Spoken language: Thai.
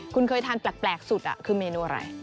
คุณเคยทานแปลกสุดคือเมนูอะไร